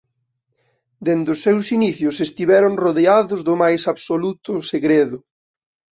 Dende os seus inicios estiveron rodeados do máis absoluto segredo.